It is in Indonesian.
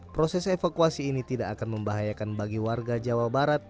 proses evakuasi ini tidak akan membahayakan bagi warga jawa barat